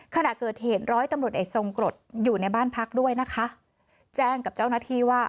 ขณะเกิดเหตุร้อยตำรวจเอกทรงกรดอยู่ในบ้านพักด้วยนะคะแจ้งกับเจ้าหน้าที่ว่า